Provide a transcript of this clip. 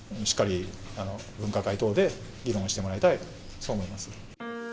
しっかり分科会等で議論してもらいたい、そう思います。